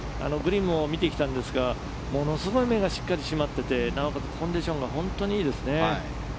グリーンも見てきたんですがものすごい目がしっかり締まっていてなおかつコンディションが本当にいいですね。